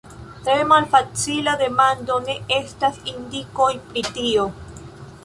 Tre malfacila demando ne estas indikoj pri tio.